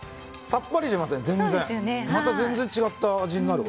さっぱりしますね全然！また全然違った味になる。